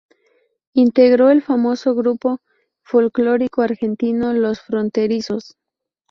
Integró el famoso grupo folclórico argentino Los Fronterizos.